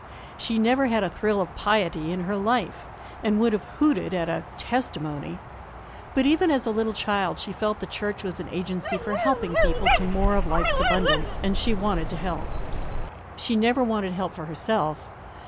She never had a thrill of piety in her life, and would have hooted at a "testimony." But even as a little child she felt the church was an agency for helping people to more of life's abundance, and she wanted to help. She never wanted help for herself.